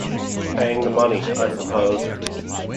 Paying the money, I suppose?